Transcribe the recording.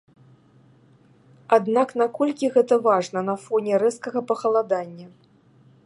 Аднак наколькі гэта важна на фоне рэзкага пахаладання?